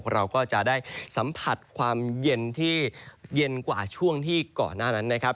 เราก็จะได้สัมผัสความเย็นที่เย็นกว่าช่วงที่ก่อนหน้านั้นนะครับ